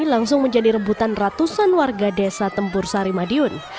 langsung menjadi rebutan ratusan warga desa tempur sari madiun